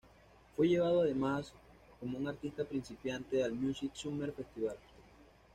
Fue llevado además como un artista principiante al Music Summer Festival.